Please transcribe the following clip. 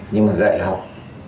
nhưng mà dạy học